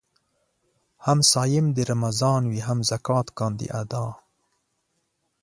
هم صايم د رمضان وي هم زکات کاندي ادا